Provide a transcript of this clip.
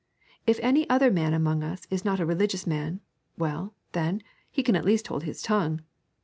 If any other man among us is not a religious man, well, then, he can at least hold his tongue.